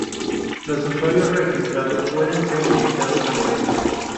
Los usuarios registrados pueden ser invitados al evento.